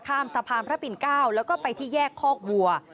ข้ามสะพามพระปิ่นเก้าแล้วก็ไปที่แยกข้อกวัว